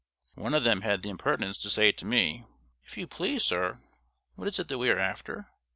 One of them had the impertinence to say to me: "If you please, sir, who is it that we are after?